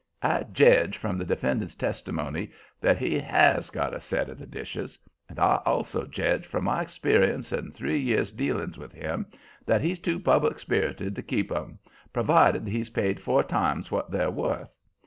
I jedge from the defendant's testimony that he HAS got a set of the dishes, and I also jedge, from my experience and three years' dealings with him, that he's too public spirited to keep 'em, provided he's paid four times what they're worth.